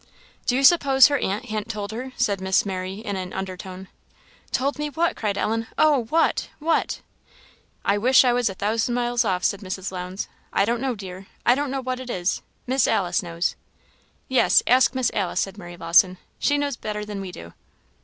"Do you suppose her aunt han't told her?" said Miss Mary in an under tone. "Told me what?" cried Ellen; "Oh! what? what?" "I wish I was a thousand miles off!" said Mrs. Lowndes; "I don't know, dear I don't know what it is Miss Alice knows." "Yes, ask Miss Alice," said Mary Lawson; "she knows better than we do."